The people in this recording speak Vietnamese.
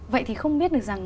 vậy thì không biết được rằng